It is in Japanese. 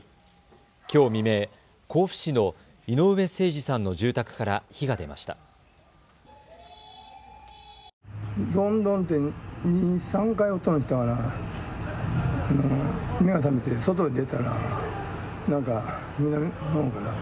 きょう未明、甲府市の井上盛司さんの住宅から火が出ました。